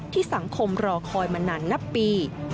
สังคมรอคอยมานานนับปี